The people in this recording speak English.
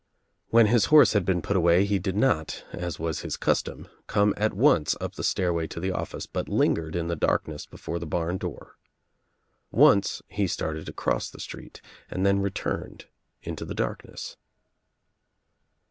When his horse bad been put away he did not, as was his custom, come at once up the stairway to the office but lingered In the darkness before the bam door. Once he started to cross the street and then returned into the darkness.